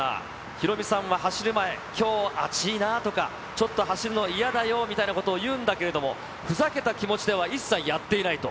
ヒロミさんは走る前、きょうあちいなあとか、ちょっと走るのが嫌だよみたいなことを言うんだけれども、ふざけた気持ちでは一切やっていないと。